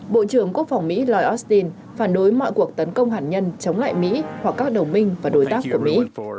bộ trưởng quốc phòng mỹ lloyd austin phản đối mọi cuộc tấn công hạt nhân chống lại mỹ hoặc các đồng minh và đối tác của mỹ